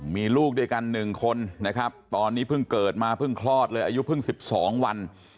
มีลูกด้วยกัน๑คนนะครับตอนนี้เพิ่งเกิดมาเพิ่งคลอดเลยอายุเพิ่ง๑๒วัน